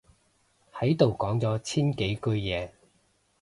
喺度講咗千幾句嘢